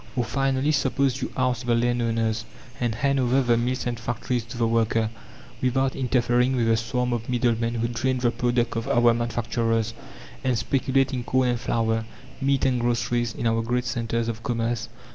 Or, finally, suppose you oust the landowners, and hand over the mills and factories to the worker, without interfering with the swarm of middlemen who drain the product of our manufacturers, and speculate in corn and flour, meat and groceries, in our great centres of commerce.